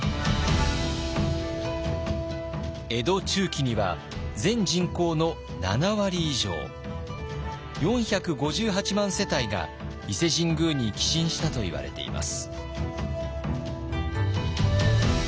江戸中期には全人口の７割以上４５８万世帯が伊勢神宮に寄進したといわれています。